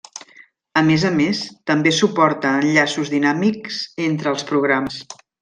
A més a més, també suporta enllaços dinàmics entre els programes.